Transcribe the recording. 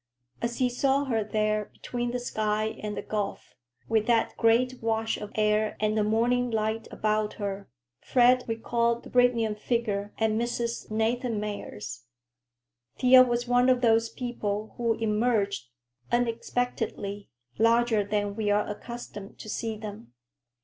As he saw her there between the sky and the gulf, with that great wash of air and the morning light about her, Fred recalled the brilliant figure at Mrs. Nathanmeyer's. Thea was one of those people who emerge, unexpectedly, larger than we are accustomed to see them.